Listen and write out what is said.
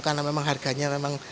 karena memang harganya memang